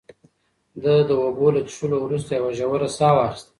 ده د اوبو له څښلو وروسته یوه ژوره ساه واخیسته.